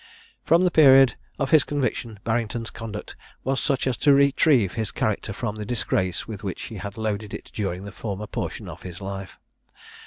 From the period of his conviction Barrington's conduct was such as to retrieve his character from the disgrace with which he had loaded it during the former portion of his life.